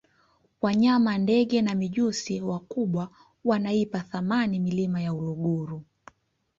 wanyama ndege na mijusi wakubwa wanaipa thamani milima ya uluguru